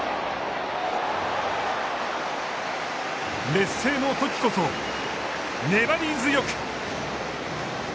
劣勢のときこそ、粘り強く。